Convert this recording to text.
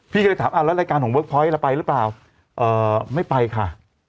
พี่ก็เลยถามแล้วรายการของเวิร์คพอยต์เราไปหรือเปล่าไม่ไปค่ะ